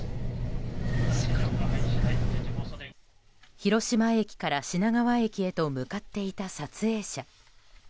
広島駅から品川駅へと向かっていた撮影者。